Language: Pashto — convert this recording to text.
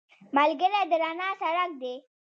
ملګری د رڼا څرک دی